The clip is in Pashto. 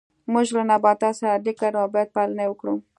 موږ له نباتاتو سره اړیکه لرو او باید پالنه یې وکړو